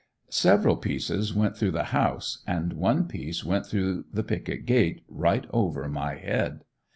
Several pieces went through the house, and one piece went through the picket gate right over my head.